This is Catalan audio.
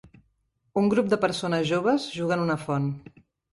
Un grup de persones joves juga en una font.